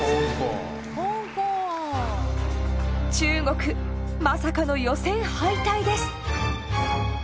中国まさかの予選敗退です。